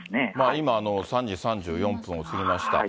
今、３時３４分を過ぎました。